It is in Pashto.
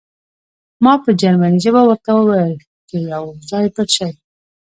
ما په جرمني ژبه ورته وویل چې یو ځای پټ شئ